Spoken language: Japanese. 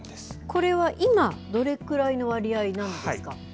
これは今、どれくらいの割合なんですか。